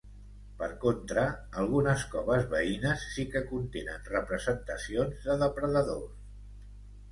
Per contra, algunes coves veïnes sí que contenen representacions de depredadors.